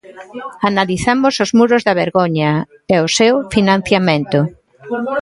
Analizamos os muros da vergoña e o seu financiamento.